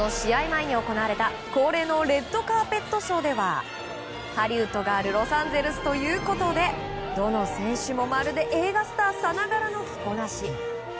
前に行われた、恒例のレッドカーペットショーではハリウッドがあるロサンゼルスということでどの選手もまるで映画スターさながらの着こなし。